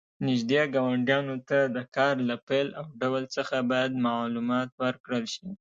نږدې ګاونډیانو ته د کار له پیل او ډول څخه باید معلومات ورکړل شي.